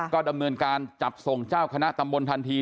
ก็ดำเนินการจับส่งเจ้าคณะตำบลทันที